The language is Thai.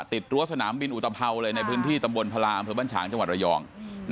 รั้วสนามบินอุตภัวเลยในพื้นที่ตำบลพลาอำเภอบ้านฉางจังหวัดระยอง